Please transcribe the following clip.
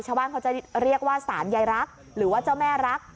ชาวบ้านเขาจะเรียกว่าสารใยรักหรือว่าเจ้าแม่รัก